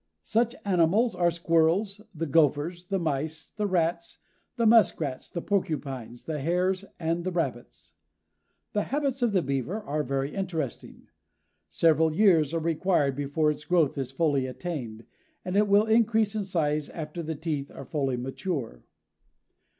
Such animals are squirrels, the gophers, the mice, the rats, the muskrats, the porcupines, the hares and the rabbits. The habits of the Beaver are very interesting. Several years are required before its growth is fully attained, and it will increase in size after the teeth are fully mature.